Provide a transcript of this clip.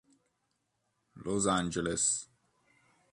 Los Angels.